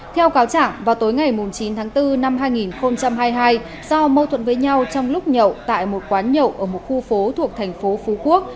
theo cáo chẳng vào tối ngày chín tháng bốn năm hai nghìn hai mươi hai do mâu thuẫn với nhau trong lúc nhậu tại một quán nhậu ở một khu phố thuộc thành phố phú quốc